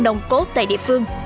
nồng cốt tại địa phương